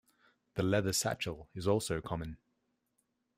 The leather satchel is also common.